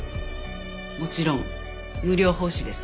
もちろん無料奉仕です。